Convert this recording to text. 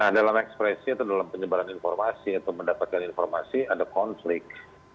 dalam ekspresi atau dalam penyebaran informasi atau mendapatkan informasi ada konflik